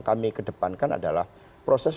kami kedepankan adalah proses